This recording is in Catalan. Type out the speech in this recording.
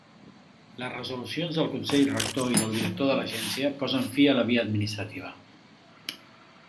Les resolucions del consell rector i del director de l'agència posen fi la via administrativa.